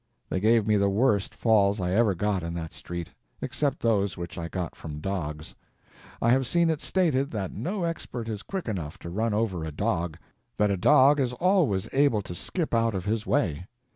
They gave me the worst falls I ever got in that street, except those which I got from dogs. I have seen it stated that no expert is quick enough to run over a dog; that a dog is always able to skip out of his way.